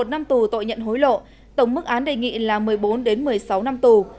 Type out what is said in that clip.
một mươi một mươi một năm tù tội nhận hối lộ tổng mức án đề nghị là một mươi bốn một mươi sáu năm tù